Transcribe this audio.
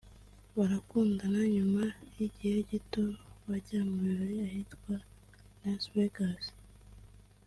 barakundana nyuma y’igihe gito bajya mu birori ahitwa Las Vegas